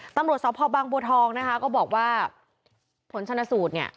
ตำรวจสพบางบัวทองนะคะก็บอกว่าผลชนสูตรเนี่ย